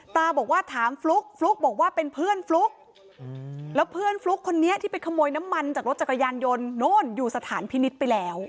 ตาบอกว่าถามฟลุ๊กฟลุ๊กบอกว่าเป็นเพื่อนฟลุ๊กแล้วเพื่อนฟลุ๊กคนนี้ที่ไปขโมยน้ำมันจากรถจักรยานยนต์โน่นอยู่สถานพินิษฐ์ไปแล้ว